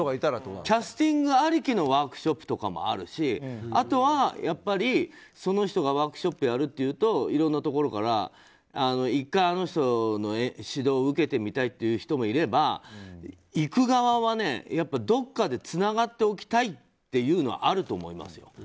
キャスティングありきのワークショップとかもあるしあとは、その人がワークショップやるってなったらいろんなところから１回、あの人の指導を受けてみたいという人もいれば行く側は、どこかでつながっておきたいっていうのはあると思いますよ。